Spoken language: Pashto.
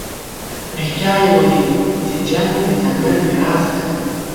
رښتیا یې ویلي چې جنګ د ځنګل میراث دی.